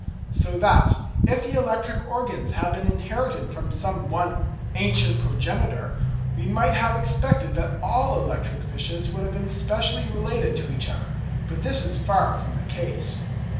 So that, if the electric organs had been inherited from some one ancient progenitor, we might have expected that all electric fishes would have been specially related to each other; but this is far from the case.